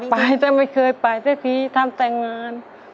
ไปแต่ไม่เคยไปแต่ทีทำแต่งงาน